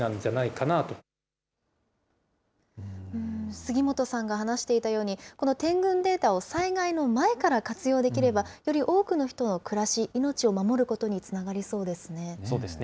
杉本さんが話していたように、この点群データを災害の前から活用できれば、より多くの人の暮らし、命を守ることにつながりそうですね。